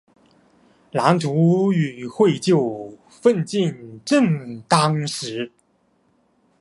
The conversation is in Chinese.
蓝图已经绘就，奋进正当时。